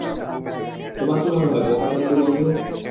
তোমার কি মনে হয়, বোকাচণ্ডী বন্ধু?